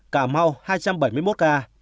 cà mau hai trăm bảy mươi một ca